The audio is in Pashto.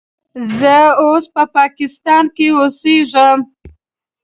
زه اوس په پاکستان کې اوسیږم.